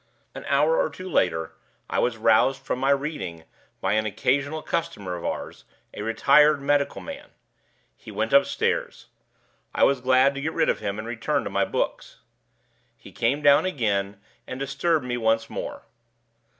An hour or two later I was roused from my reading by an occasional customer of ours, a retired medical man. He went upstairs. I was glad to get rid of him and return to my books. He came down again, and disturbed me once more.